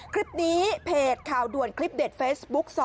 คลิปนี้เพจข่าวด่วนคลิปเด็ดเฟซบุ๊ก๒